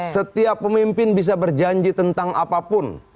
setiap pemimpin bisa berjanji tentang apapun